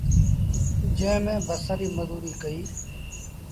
جݩهݩ ميݩ بسر ريٚ مزوريٚ ڪئيٚ۔